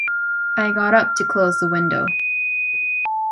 I got up to close the window.